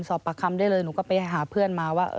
ทำได้เลยหนูก็ไปหาเพื่อนมาว่า